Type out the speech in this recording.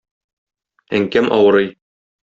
Әнкәм авырый